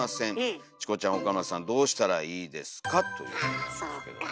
あそうか。